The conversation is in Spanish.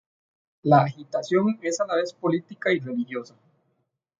La agitación es a la vez política y religiosa.